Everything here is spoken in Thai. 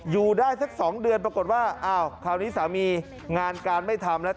อยู่ได้สัก๒เดือนปรากฏว่าอ้าวคราวนี้สามีงานการไม่ทำแล้ว